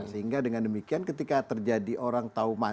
sehingga dengan demikian ketika terjadi orang tahu